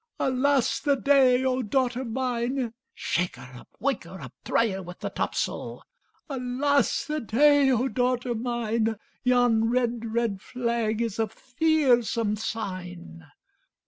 'Alas the day, oh daughter mine!'— Shake her up! Wake her up! Try her with the topsail! 'Alas the day, oh daughter mine! Yon red, red flag is a fearsome sign!